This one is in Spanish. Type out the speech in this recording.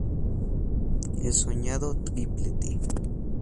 El soñado triplete.